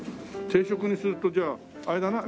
定食にするとじゃああれだな。